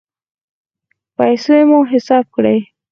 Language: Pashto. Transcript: پیسې مو حساب کړئ